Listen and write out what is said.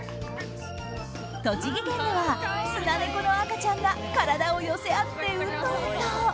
栃木県ではスナネコの赤ちゃんが体を寄せ合って、うとうと。